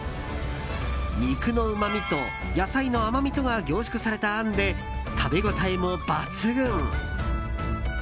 肉のうまみと野菜の甘みとが凝縮されたあんで食べ応えも抜群。